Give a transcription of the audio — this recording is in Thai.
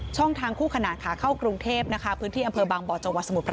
ช่องทางกู้ขนาดขาเข้ากรุงเทพนะคะพื้นที่อำเภอบางบทจ